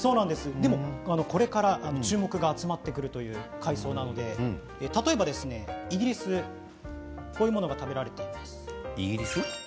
でも、これから注目が集まってくるという海藻なので例えばイギリスこういうものが食べられています。